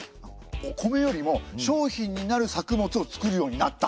お米よりも商品になる作物を作るようになった？